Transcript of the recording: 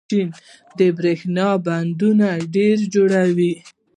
چین د برښنا بندونه ډېر جوړوي.